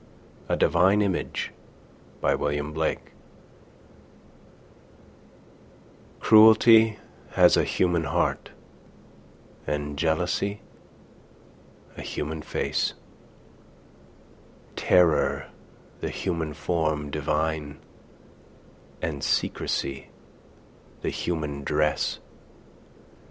A DIVINE IMAGE Cruelty has a human heart, And Jealousy a human face; Terror the human form divine, And Secrecy the human dress.